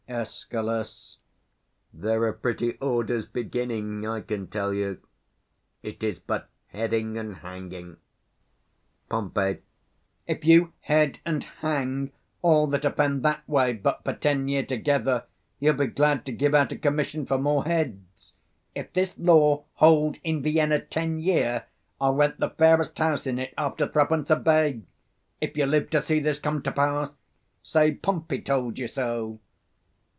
Escal. There are pretty orders beginning, I can tell you: it is but heading and hanging. Pom. If you head and hang all that offend that way but for ten year together, you'll be glad to give out a commission 225 for more heads: if this law hold in Vienna ten year, I'll rent the fairest house in it after three pence a bay: if you live to see this come to pass, say Pompey told you so.